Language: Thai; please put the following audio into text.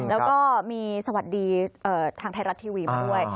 แล้วก็มีสวัสดีทางไทยรัฐทีวีมาด้วย